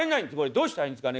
どうしたらいいんですかね？